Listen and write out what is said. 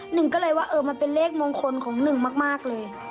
หนึ่งก็เลยว่าเออมันเป็นเลขมงคลของหนึ่งมากเลย